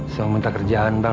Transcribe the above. saya minta kerjaan bang